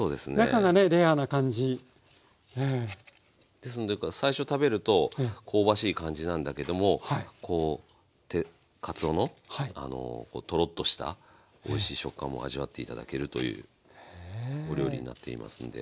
ですのでだから最初食べると香ばしい感じなんだけどもこうかつおのトロッとしたおいしい食感も味わって頂けるというお料理になっていますんで。